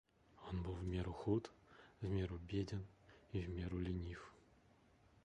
Он был в меру худ, в меру беден и в меру ленив.